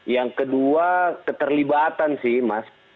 yang kedua keterlibatan sih mas